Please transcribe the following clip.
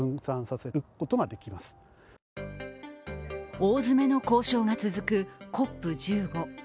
大詰めの交渉が続くＣＯＰ１５。